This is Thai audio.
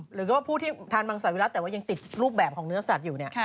หรือว่าผู้ที่ทานมังสัตวิรัติแต่ว่ายังติดรูปแบบของเนื้อสัตว์อยู่เนี่ย